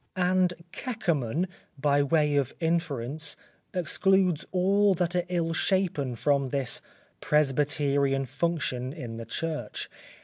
And Keckerman, by way of inference, excludes all that are ill shapen from this presbyterian function in the church.